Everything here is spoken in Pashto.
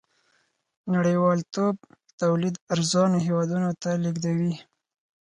نړۍوالتوب تولید ارزانو هېوادونو ته لېږدوي.